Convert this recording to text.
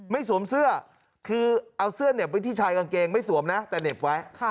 สวมเสื้อคือเอาเสื้อเห็บไว้ที่ชายกางเกงไม่สวมนะแต่เหน็บไว้